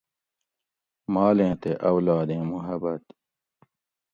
مالیں تے اولادیں محبت